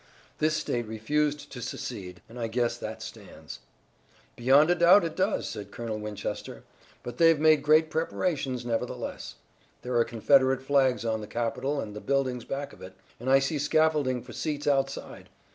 "This state refused to secede, and I guess that stands." "Beyond a doubt it does," said Colonel Winchester, "but they've made great preparations, nevertheless. There are Confederate flags on the Capitol and the buildings back of it, and I see scaffolding for seats outside.